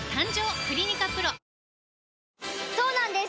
そうなんです